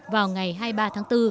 vào ngày hai mươi ba tháng bốn